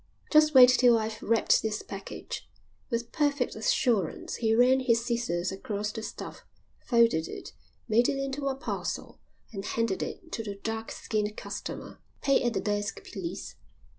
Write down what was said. "Just wait till I've wrapped this package." With perfect assurance he ran his scissors across the stuff, folded it, made it into a parcel, and handed it to the dark skinned customer. "Pay at the desk, please."